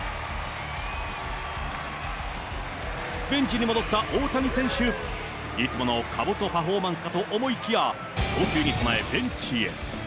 ベンチに戻った大谷選手、いつものかぶとパフォーマンスかと思いきや、投球に備え、ベンチへ。